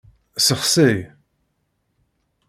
Sexsi.